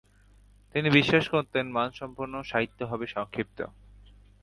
তিনি বিশ্বাস করতেন মানসম্পন্ন সাহিত্য হবে সংক্ষিপ্ত।